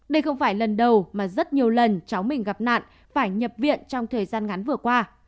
đây không phải lần đầu mà rất nhiều lần cháu mình gặp nạn phải nhập viện trong thời gian ngắn vừa qua